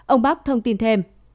ông bắc thông tin thêm